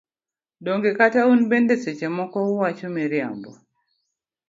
Donge kata un bende seche moko uwacho miriambo.